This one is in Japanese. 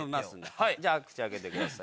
はいじゃ口開けてください。